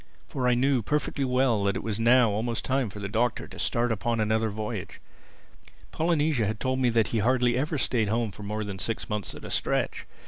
For I knew perfectly well that it was now almost time for the Doctor to start upon another voyage. Polynesia had told me that he hardly ever stayed at home for more than six months at a stretch.